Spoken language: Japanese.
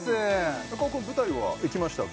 中尾君舞台は行きましたか？